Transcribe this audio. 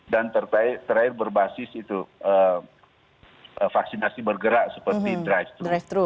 dan terakhir berbasis itu vaksinasi bergerak seperti drive thru